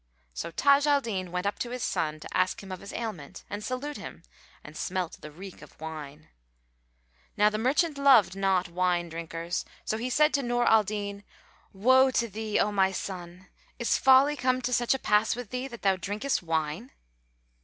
So Taj al Din went up to his son, to ask him of his ailment, and salute him, and smelt the reek of wine.[FN#439] Now the merchant loved not wine drinkers; so he said to Nur al Din, "Woe to thee, O my son! Is folly come to such a pass with thee, that thou drinkest wine?"